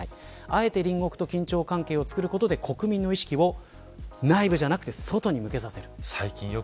あえて隣国と緊張関係をつくることで国民の意識を内部ではなく外に向けさせる。